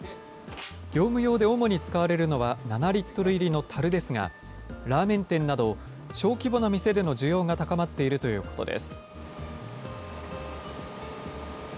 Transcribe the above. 業務用で主に使われるのは７リットル入りのたるですが、ラーメン店など、小規模な店での需要が高まっているということです。